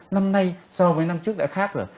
năm nay so với năm trước đã khác rồi